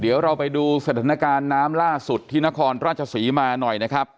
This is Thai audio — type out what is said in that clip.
เดี๋ยวเราไปดูสถานการณ์น้ำล่าสุดที่นครราชศรีมาหน่อยนะครับ